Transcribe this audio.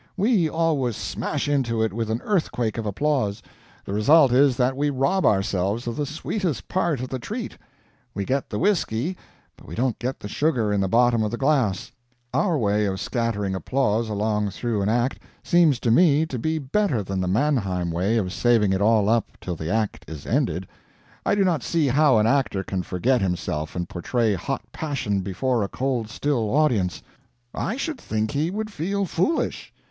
We always smash into it with an earthquake of applause. The result is that we rob ourselves of the sweetest part of the treat; we get the whiskey, but we don't get the sugar in the bottom of the glass. Our way of scattering applause along through an act seems to me to be better than the Mannheim way of saving it all up till the act is ended. I do not see how an actor can forget himself and portray hot passion before a cold still audience. I should think he would feel foolish.